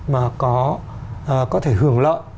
mà có thể hưởng lợi